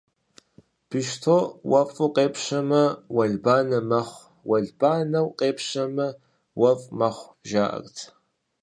Бещто уэфӀу къепщэмэ, уэлбанэ мэхъу, уэлбанэу къепщэмэ, уэфӀ мэхъу, жаӀэрт.